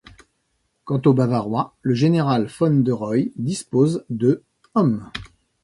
Quant aux Bavarois, le général von Deroy dispose de hommes.